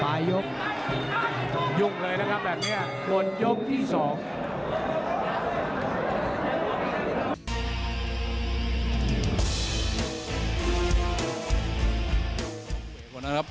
ปลายยกยุ่งเลยนะครับแบบนี้หมดยกที่สอง